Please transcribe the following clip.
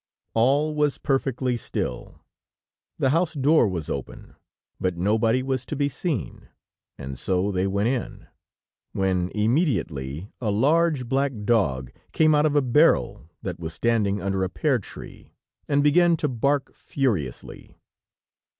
All was perfectly still; the house door was open, but nobody was to be seen, and so they went in, when immediately a large, black dog came out of a barrel that was standing under a pear tree, and began to bark furiously.